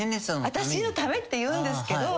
私のためって言うんですが。